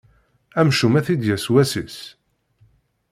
Amcum ad t-id-yas wass-is.